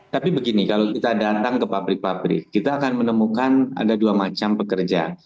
tapi begini kalau kita datang ke pabrik pabrik kita akan menemukan ada dua macam pekerja